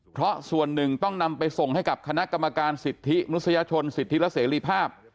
เพราะส่วนหนึ่งต้องนำไปส่งให้กับคณะกรรมการสิทธิมนุษยชนสิทธิและเสรีภาพ